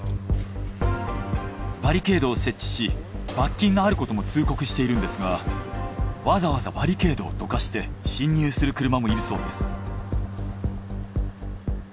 バリケードを設置し罰金があることも通告しているんですがわざわざバリケードをどかして進入する車もいるそうです。